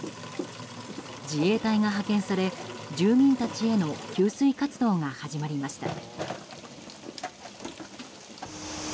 自衛隊が派遣され住民たちへの給水活動が始まりました。